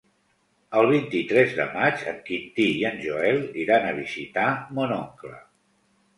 El vint-i-tres de maig en Quintí i en Joel iran a visitar mon oncle.